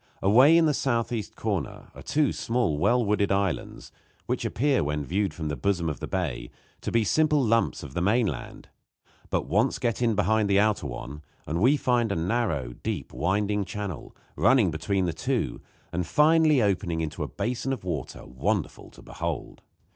Away in the southeast corner are two small well wooded islands, which appear, when viewed from the bosom of the bay, to be simple lumps of the mainland; but once get in behind the outer one and we find a narrow, deep, winding channel running between the two, and finally opening into a basin of water wonderful to behold.